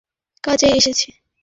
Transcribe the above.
আমরা সেই কাজেই এসেছি।